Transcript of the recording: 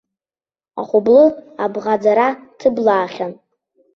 Ахәыблы абӷаӡара ҭыблаахьан.